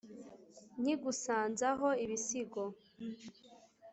Nkigusanza ho ibisigo.